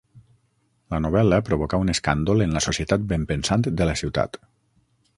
La novel·la provocà un escàndol en la societat benpensant de la ciutat.